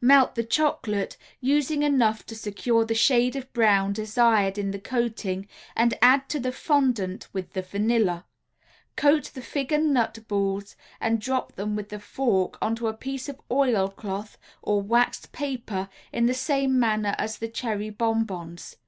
Melt the chocolate, using enough to secure the shade of brown desired in the coating and add to the fondant with the vanilla. Coat the fig and nut balls and drop them with the fork onto a piece of oil cloth or waxed paper in the same manner as the cherry bon bons.